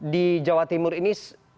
di jawa timur ini